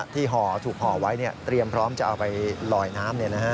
ที่ถูกห่อไว้เตรียมพร้อมจะเอาไปลอยน้ำเนี่ยนะฮะ